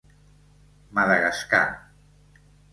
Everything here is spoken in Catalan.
Madagascar.